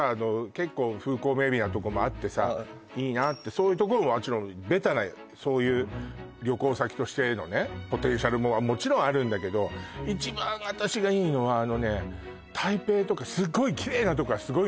結構風光明媚なとこもあってさいいなってそういうところはもちろんベタなそういう旅行先としてのねポテンシャルももちろんあるんだけど一番私がいいのはあのね台北とかすっごいキレイなとこはすごいのよ